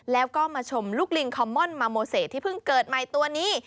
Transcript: แล้วก็มาชมลูกลิงคอมม่อนมาโมเศษที่เพิ่งเกิดใหม่ตัวนี้